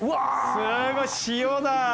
すごい塩だ。